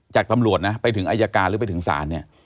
จากตำรวจนะไปถึงอายการหรือไปถึงศาลเนี่ย